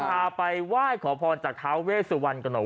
พาไปไหว้ขอพรจากท้าวเวสวรรค์กระหน่าว